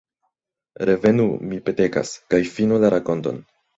Revenu, mi petegas, kaj finu la rakonton.